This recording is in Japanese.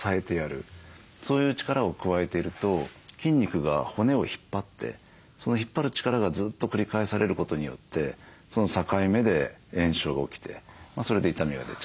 そういう力を加えていると筋肉が骨を引っ張ってその引っ張る力がずっと繰り返されることによって境目で炎症が起きてそれで痛みが出ちゃうということなんですよね。